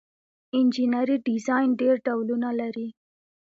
انجنیری ډیزاین ډیر ډولونه لري.